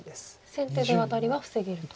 先手でワタリは防げると。